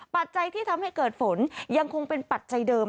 ปัจจัยที่ทำให้เกิดฝนยังคงเป็นปัจจัยเดิม